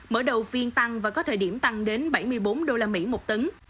mở đầu phiên tăng và có thời điểm tăng đến bảy mươi bốn đô la mỹ một tấn